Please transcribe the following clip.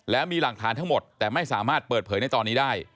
แล้วมีหลักฐานทั้งหมดแต่ไม่สามารถเปิดเผยในตอนนี้ได้